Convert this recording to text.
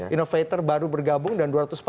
innovator baru bergabung dan